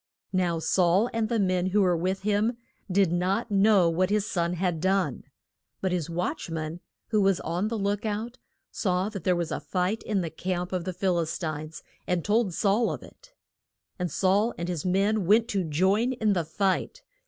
Now Saul and the men who were with him did not know what his son had done. But his watch man, who was on the look out, saw that there was a fight in the camp of the Phil is tines, and told Saul of it. And Saul and his men went to join in the fight.